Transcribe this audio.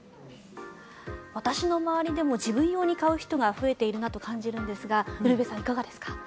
私の周りでも自分用に買う人が増えているなと感じるんですがウルヴェさん、いかがですか？